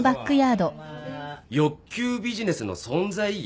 欲求ビジネスの存在意義？